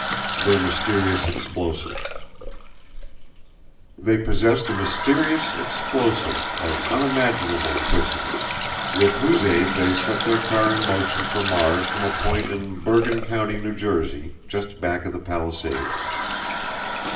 Their Mysterious Explosive. They possessed a mysterious explosive, of unimaginable puissance, with whose aid they set their car in motion for Mars from a point in Bergen County, N. J., just back of the Palisades.